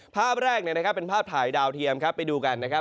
ภาพแรกเป็นภาพถ่ายดาวเทียมครับไปดูกันนะครับ